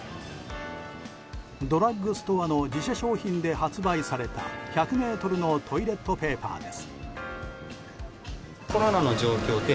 ドラッグストアの自社商品で発売された１００ｍのトイレットペーパーです。